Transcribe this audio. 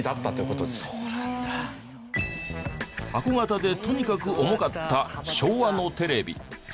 箱形でとにかく重かった昭和のテレビ。